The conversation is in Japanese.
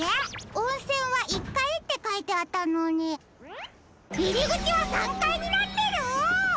おんせんは１かいってかいてあったのにいりぐちは３かいになってる！？